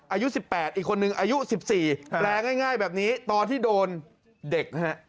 อายุ๑๘อีกคนนึงอายุ๑๔แปลง่ายแบบนี้ตอนที่โดนเด็กฮะ